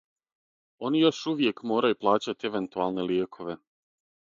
Они још увијек морају плаћати евентуалне лијекове.